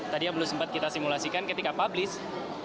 tadi yang belum sempat kita simulasikan ketika publish